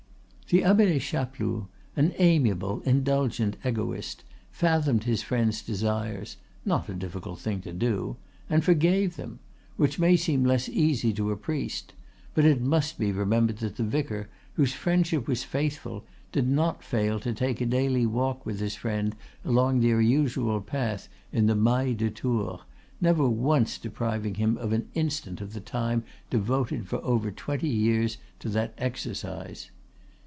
The Abbe Chapeloud, an amiable, indulgent egoist, fathomed his friend's desires not a difficult thing to do and forgave them; which may seem less easy to a priest; but it must be remembered that the vicar, whose friendship was faithful, did not fail to take a daily walk with his friend along their usual path in the Mail de Tours, never once depriving him of an instant of the time devoted for over twenty years to that exercise.